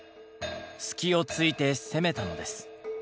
隙をついて攻めたのです。